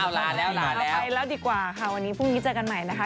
เอาล่ะเอาไปแล้วดีกว่าค่ะวันนี้พรุ่งนี้เจอกันใหม่นะคะ